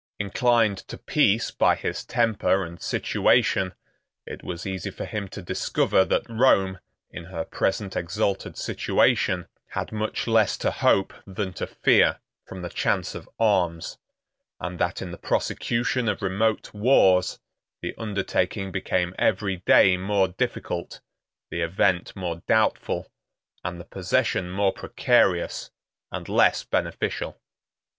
Inclined to peace by his temper and situation, it was easy for him to discover that Rome, in her present exalted situation, had much less to hope than to fear from the chance of arms; and that, in the prosecution of remote wars, the undertaking became every day more difficult, the event more doubtful, and the possession more precarious, and less beneficial.